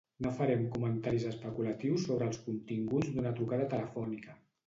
No farem comentaris especulatius sobre els continguts d’una trucada telefònica.